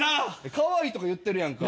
カワイイとか言ってるやんか。